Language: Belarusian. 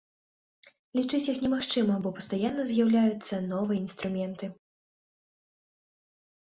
Лічыць іх немагчыма, бо пастаянна з'яўляюцца новыя інструменты.